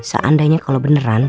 seandainya kalau beneran